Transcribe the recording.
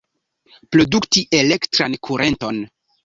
Produkti elektran kurenton.